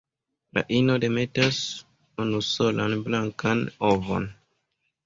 La ino demetas unusolan blankan ovon.